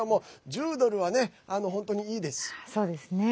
１０ドルは本当にいいです。